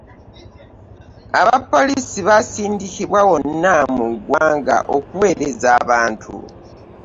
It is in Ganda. Aba poliisi basindikibwa wonna mu ggwanga okuweereza abantu.